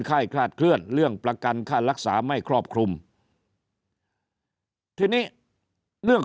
ยคลาดเคลื่อนเรื่องประกันค่ารักษาไม่ครอบคลุมทีนี้เรื่อง